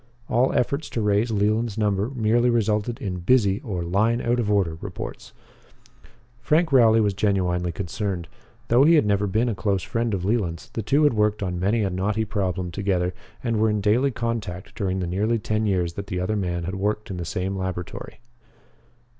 All efforts to raise Leland's number merely resulted in "busy" or "line out of order" reports. Frank Rowley was genuinely concerned. Though he had never been a close friend of Leland's, the two had worked on many a knotty problem together and were in daily contact during the nearly ten years that the other man had worked in the same laboratory.